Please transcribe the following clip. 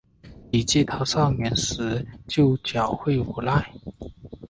李继韬少年时就狡狯无赖。